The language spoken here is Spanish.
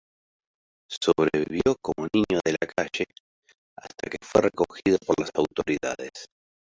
Sobrevivió como niño de la calle hasta que fue recogido por las autoridades.